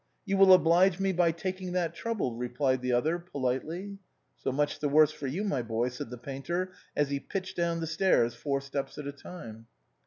" You will oblige me by taking that trouble," replied the other, politely. " So much the worse for you, my boy," said the painter as he pitched down the stairs, four steps at a tim_e.